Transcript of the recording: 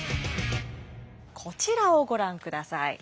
こちらをご覧ください。